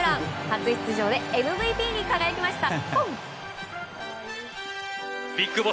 初出場でＭＶＰに輝きました。